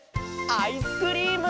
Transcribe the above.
アイスクリーム！